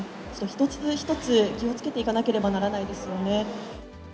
一つ一つ気をつけていかなければいけないですよね。